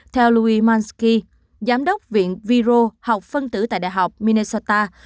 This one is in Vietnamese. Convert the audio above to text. theo louis monski giám đốc viện viro học phân tử tại đại học minnesota